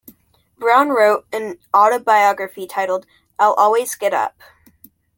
Brown wrote an autobiography entitled "I'll Always Get Up".